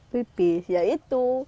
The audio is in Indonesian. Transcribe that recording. tipis ya itu